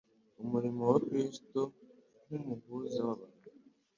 umurimo wa Kristo nk'umuhuza w'abantu